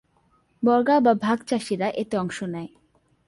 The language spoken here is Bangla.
বর্গা বা ভাগ-চাষীরা এতে অংশ নেয়।